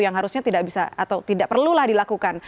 yang harusnya tidak bisa atau tidak perlulah dilakukan